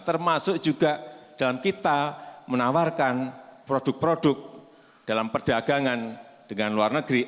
termasuk juga dalam kita menawarkan produk produk dalam perdagangan dengan luar negeri